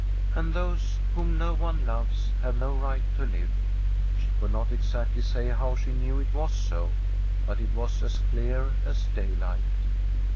And those whom no one loves have no right to live. She could not exactly say how she knew it was so, but it was as clear as daylight.